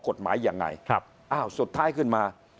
กฎหมายยังไงครับอ้าวสุดท้ายขึ้นมา